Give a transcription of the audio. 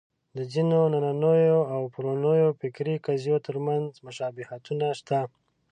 د ځینو نننیو او پرونیو فکري قضیو تر منځ مشابهتونه شته.